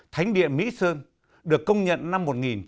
thánh địa mỹ sơn được công nhận năm một nghìn chín trăm chín mươi chín